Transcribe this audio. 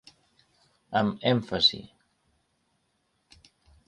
Amb èmfasi